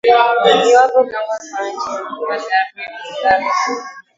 iwapo kiongozi wa nchi hiyo robert gabriel mugabe